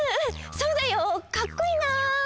そうだよかっこいいな！